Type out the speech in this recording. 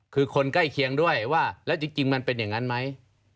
คือคนใกล้เคียงด้วยว่าแล้วจริงมันเป็นอย่างนั้นไหม